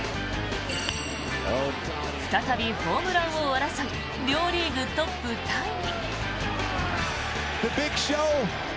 再びホームラン王争い両リーグトップタイに。